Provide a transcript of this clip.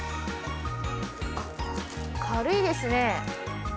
軽いですね。